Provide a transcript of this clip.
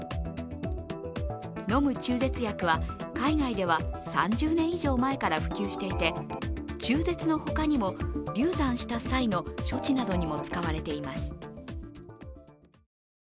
飲む中絶薬は、海外では３０年以上前から普及していて、中絶の他にも流産した際の処置などにも使われています。